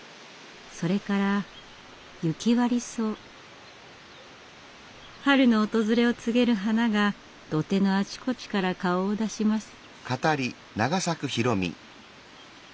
それから春の訪れを告げる花が土手のあちこちから顔を出します。